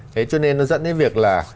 thế cho nên nó dẫn đến việc là